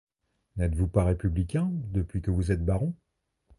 N'êtes-vous pas républicain depuis que vous êtes baron?